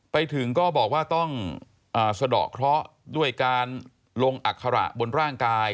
ไปถึงก็บอกว่าต้องสะดอกเคราะห์ด้วยการลงอัคระบนร่างกาย